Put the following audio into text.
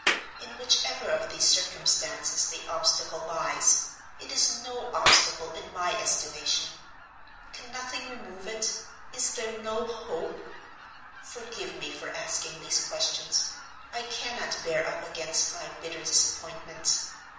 In whichever of these circumstances the obstacle lies, it is no obstacle in my estimation. Can nothing remove it? Is there no hope? Forgive me for asking these questions. I cannot bear up against my bitter disappointment.